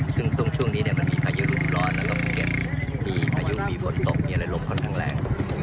ซึ่งช่วงนี้มันมีพายุรุมร้อนมีพายุมีฝนตกมีอะไรลมค่อนข้างแรง